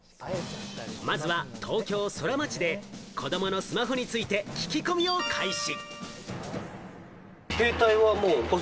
まずは東京ソラマチで子供のスマホについて、聞き込みを開始。